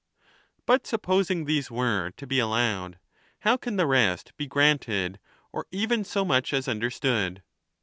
But supposing these were to be allowed, how can the rest be granted, or even so much as understood